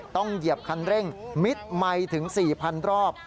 ต้องเหยียบคันเร่งมิดไหมถึง๔๐๐๐รอบ